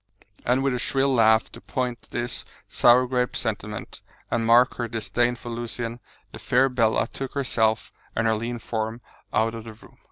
And with a shrill laugh to point this sour grape sentiment, and mark her disdain for Lucian, the fair Bella took herself and her lean form out of the room.